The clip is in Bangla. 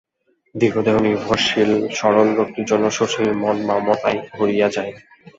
দীর্ঘদেহ নির্ভরশীল সরল লোকটির জন্য শশীর মন মমতায় ভরিয়া যায়।